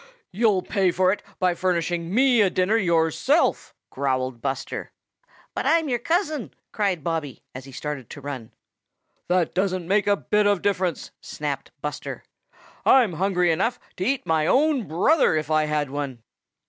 "You'll pay for it by furnishing me a dinner yourself!" growled Buster. "But I'm your cousin!" cried Bobby, as he started to run. "That doesn't make a bit of difference," snapped Buster. "I'm hungry enough to eat my own brother if I had one."